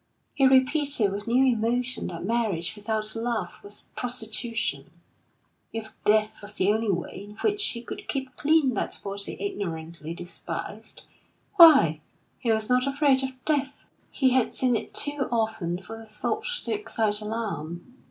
He repeated with new emotion that marriage without love was prostitution. If death was the only way in which he could keep clean that body ignorantly despised, why, he was not afraid of death! He had seen it too often for the thought to excite alarm.